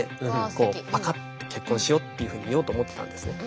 こうパカッて結婚しようっていうふうに言おうと思ってたんですね。